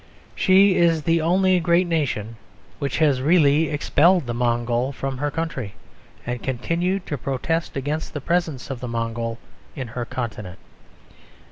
She is the only great nation which has really expelled the Mongol from her country, and continued to protest against the presence of the Mongol in her continent.